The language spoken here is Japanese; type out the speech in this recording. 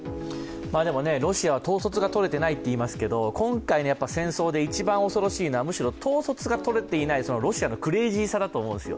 でもロシアは統率がとれてないといいますけど今回の戦争で一番恐ろしいのは、むしろ統率がとれていないそのロシアのクレイジーさだと思うんですよ。